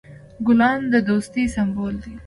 ګلان د دوستی سمبول دي.